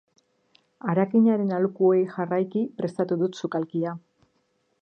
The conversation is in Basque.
Harakinaren aholkuei jarraiki prestatu dut sukalkia.